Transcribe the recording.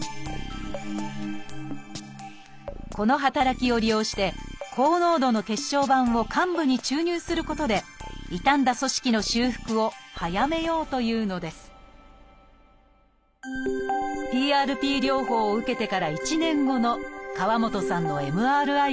この働きを利用して高濃度の血小板を患部に注入することで傷んだ組織の修復を早めようというのですＰＲＰ療法を受けてから１年後の河本さんのＭＲＩ画像です。